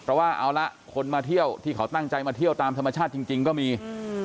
เพราะว่าเอาละคนมาเที่ยวที่เขาตั้งใจมาเที่ยวตามธรรมชาติจริงจริงก็มีอืม